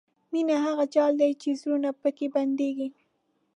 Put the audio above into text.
مینه هغه جال دی چې زړونه پکې بندېږي.